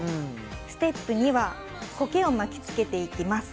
ステップ２は苔を巻き付けていきます。